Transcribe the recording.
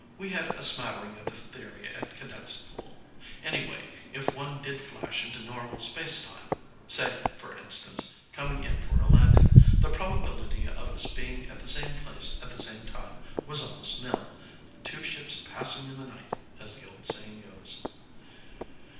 We had a smattering of the theory at cadet school ... anyway, if one did flash into normal space time say, for instance, coming in for a landing the probability of us being at the same place at the same time was almost nil. 'Two ships passing in the night' as the old saying goes."